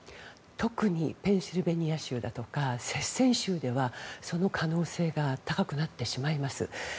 特にペンシルベニア州だとか接戦州ではその可能性が高くなってしまいます。